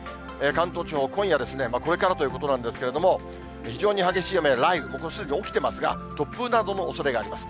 関東地方、今夜、これからということなんですけれども、非常に激しい雨や雷雨、もうすでに起きてますが、突風などのおそれがあります。